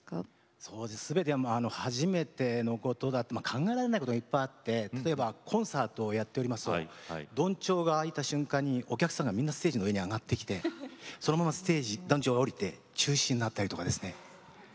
全てがまあ初めてのことだ考えられないことがいっぱいあって例えばコンサートをやっておりますとどんちょうが開いた瞬間にお客さんがみんなステージの上に上がってきてそのままどんちょうが下りて中止になったりとかですね。